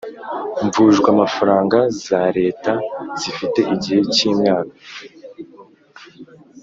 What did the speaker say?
mvunjwamafaranga za Leta zifite igihe cy imyaka